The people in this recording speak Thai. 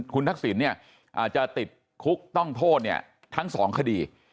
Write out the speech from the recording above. คุณทักษิณเนี่ยอาจจะติดคุกต้องโทษเนี่ยทั้งสองคดี